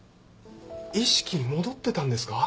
意識戻ってたんですか？